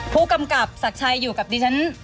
ผู้กำกับศักดิ์ชัยอยู่กับดิฉัน